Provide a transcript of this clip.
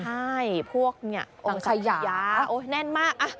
ใช่พวกเนี่ยองศัพยาแน่นมาก